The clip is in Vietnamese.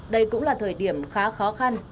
đây cũng là thời điểm khá khó